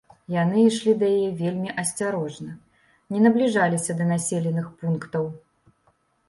Яны ішлі да яе вельмі асцярожна, не набліжаліся да населеных пунктаў.